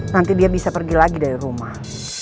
nanti dia bisa pergi lagi dari rumah